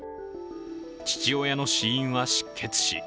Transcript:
父親の死因は失血死。